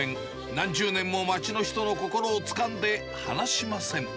何十年も町の人の心をつかんで離しません。